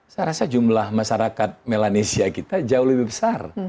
saya rasa jumlah masyarakat melanesia kita jauh lebih besar